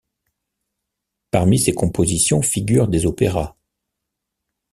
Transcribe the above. Parmi ses compositions figurent des opéras.